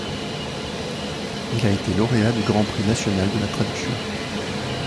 Il a été lauréat du Grand Prix national de la traduction.